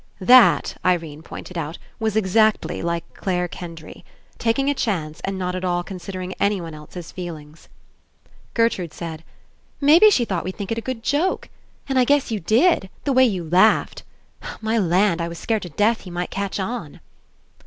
That, Irene pointed out, was exactly like Clare Kendry. Taking a chance, and not at all considering anyone else's feelings. Gertrude said: "Maybe she thought we'd think it a good joke. And I guess you did. The way you laughed. My land! I was scared to death he might catch on."